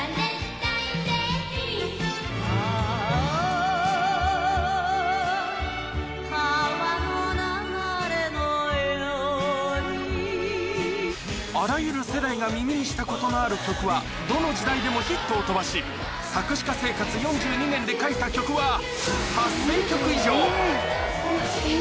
あらゆる世代が耳にしたことのある曲はどの時代でもヒットを飛ばし作詞家生活４２年で書いた曲は